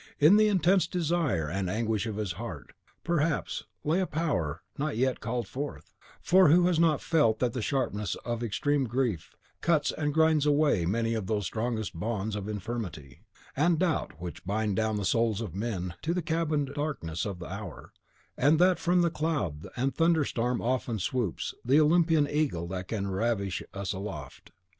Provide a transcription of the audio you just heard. In the intense desire and anguish of his heart, perhaps, lay a power not yet called forth; for who has not felt that the sharpness of extreme grief cuts and grinds away many of those strongest bonds of infirmity and doubt which bind down the souls of men to the cabined darkness of the hour; and that from the cloud and thunderstorm often swoops the Olympian eagle that can ravish us aloft!